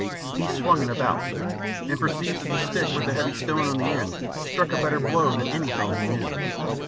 He swung it about, and perceived that the stick with the heavy stone on the end struck a better blow than anything he knew.